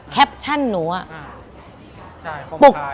แคปชั่นหนูอะ